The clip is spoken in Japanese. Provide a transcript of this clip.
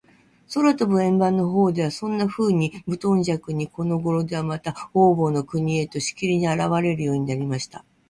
空とぶ円盤のほうでは、そんなうわさにはむとんじゃくに、このごろでは、また、ほうぼうの国へと、しきりと、あらわれるようになりました。